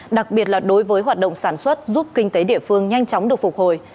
đặc biệt là đối với hoạt động sản xuất giúp kinh tế địa phương nhanh chóng được phục hồi